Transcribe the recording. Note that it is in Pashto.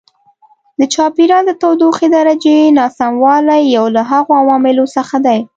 د چاپېریال د تودوخې درجې ناسموالی یو له هغو عواملو څخه دی.